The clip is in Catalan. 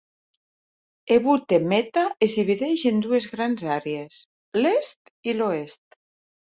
Ebute Metta es divideix en dues grans àrees: l'est i l'oest.